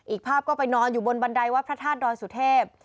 อีกภาพก็ไปนอนอยู่บนบันไดวัดพระธาตุดอยสุเทพ